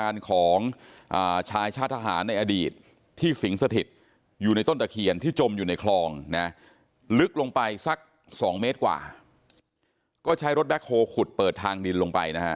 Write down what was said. ลึกลงไปสัก๒เมตรกว่าก็ใช้รถแบคโฮขุดเปิดทางดินลงไปนะฮะ